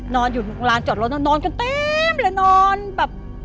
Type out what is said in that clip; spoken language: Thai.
นอนอยู่ร้านจอดรถนอนกันเต็มเลยนอนแบบ